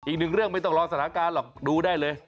อีกหนึ่งเรื่องไม่ต้องรอสถานการณ์หรอกดูได้เลย